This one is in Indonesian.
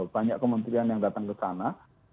banyak kementerian yang datang ke sana